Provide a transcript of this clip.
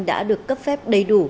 đã được cấp phép đầy đủ